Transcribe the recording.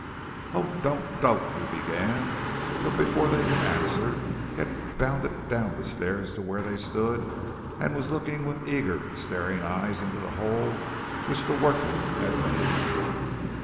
"Oh, don't! don't!" he began; but before they could answer, he had bounded down the stairs to where they stood and was looking with eager, staring eyes into the hole which the workmen had made.